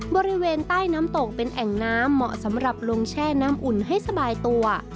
บริเวณใต้น้ำตกเป็นแอ่งน้ำเหมาะสำหรับลงแช่น้ำอุ่นให้สบายตัว